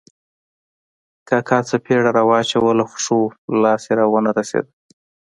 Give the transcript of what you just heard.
کاکا څپېړه را واچوله خو ښه وو، لاس یې را و نه رسېد.